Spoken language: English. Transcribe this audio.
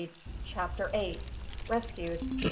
CHAPTER EIGHT. RESCUED.